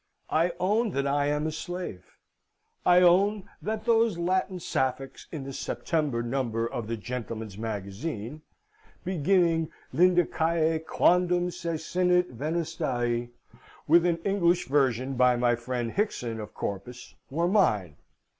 I own that I am a slave. I own that those Latin Sapphics in the September number of the Gentleman's Magazine, beginning Lydicae quondam cecinit venustae (with an English version by my friend Hickson of Corpus), were mine.